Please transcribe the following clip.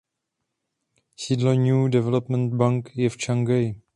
Sídlo New Development Bank je v Šanghaji.